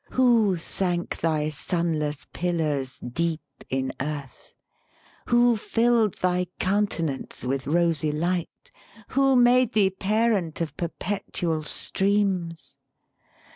Who sank thy sunless pillars deep in Earth? Who filled thy countenance with rosy light? Who made thee parent of perpetual streams?